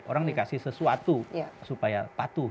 orang dikasih sesuatu supaya patuh